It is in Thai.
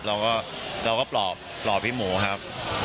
เราก็ปล่อพี่หมู่ครับ